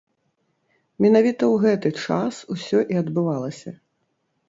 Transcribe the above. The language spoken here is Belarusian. Менавіта ў гэты час усё і адбывалася.